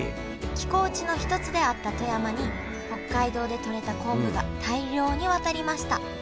寄港地の一つであった富山に北海道でとれた昆布が大量に渡りました。